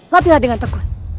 lepilah dengan tekun